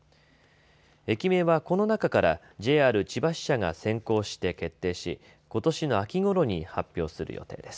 駅名はこの中からＪＲ千葉支社が選考して決定し、ことしの秋ごろに発表する予定です。